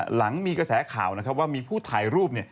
หลังมีกระแสข่าวนะครับว่ามีผู้ถ่ายรูป